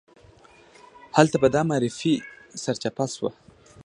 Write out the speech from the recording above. هلته به دا معرفي سرچپه شوه.